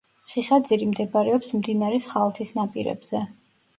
ხიხაძირი მდეობარეობს მდინარე სხალთის ნაპირებზე.